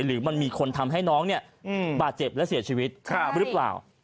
หรือมันมีคนทำให้น้องเนี่ยบาดเจ็บและเสียชีวิตหรือเปล่า